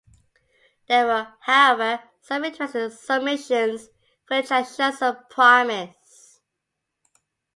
There were, however, some interesting submissions which had shown some promise.